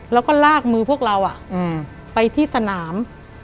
แล้วก็ลากมือพวกเราไปที่สนาม